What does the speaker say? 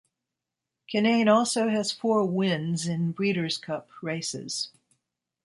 Kinane also has four wins in Breeders' Cup races.